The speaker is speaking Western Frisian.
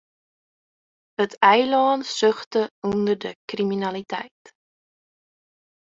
It eilân suchte ûnder de kriminaliteit.